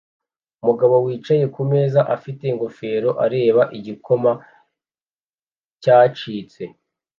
Umugabo wicaye kumeza afite ingofero areba igikoma cyacitse